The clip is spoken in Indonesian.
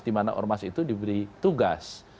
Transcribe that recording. di mana ormas itu diberi tugas